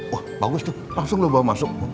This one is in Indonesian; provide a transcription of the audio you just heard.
wah bagus tuh langsung lo bawa masuk